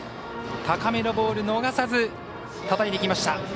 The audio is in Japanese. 高めのボール逃さずたたいていきました。